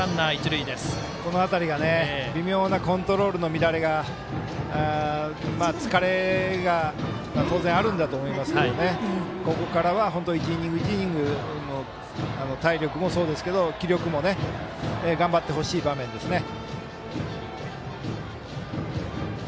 この辺りが微妙なコントロールの乱れが疲れが当然あるんだと思いますがここからは本当１イニング１イニング体力もそうですけど、気力も頑張ってほしい場面ですね。